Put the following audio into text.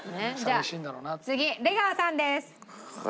じゃあ次出川さんです。